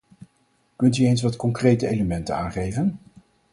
Kunt u eens wat concrete elementen aangeven?